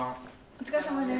お疲れさまです。